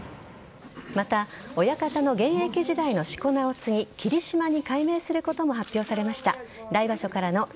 また親方の現役時代のしこ名を継ぎ、霧島に改名することも発表されました。